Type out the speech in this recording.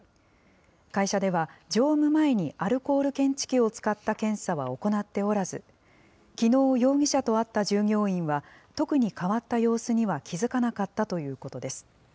会社では、乗務前にアルコール検知器を使った検査は行っておらず、きのう容疑者と会った従業員は、特に変わった様子には気付かなかったということです。